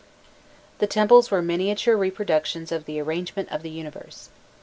The temples were miniature reproductions of the arrangement of the universe.